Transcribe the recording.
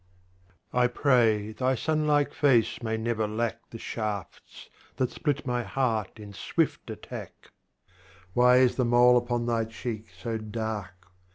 I pray thy Sun like face may never lack The Shafts that split my Heart in swift Attack : Why is the mole upon thy cheek so dark